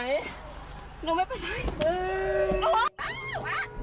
เอ๊ย